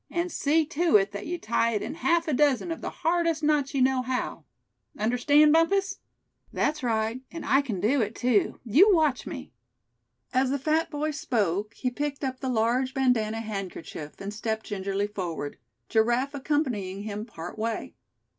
And see to it that you tie it in half a dozen of the hardest knots you know how. Understand, Bumpus?" "That's right, and I c'n do it too. You watch me." As the fat boy spoke he picked up the large bandana handkerchief, and stepped gingerly forward, Giraffe accompanying him part way.